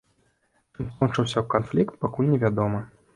Чым скончыўся канфлікт, пакуль невядома.